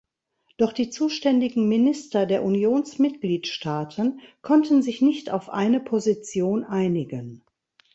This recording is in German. Doch die zuständigen Minister der Unionsmitgliedstaaten konnten sich nicht auf eine Position einigen.